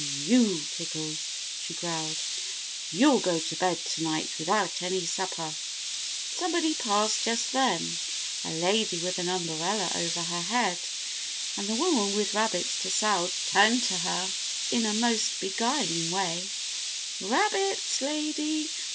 "You, Pickles," she growled, "you'll go to bed to night without any supper." Somebody passed just then, a lady with an umbrella over her head, and the woman with rabbits to sell turned to her in her most beguiling way. "Rabbits, lady!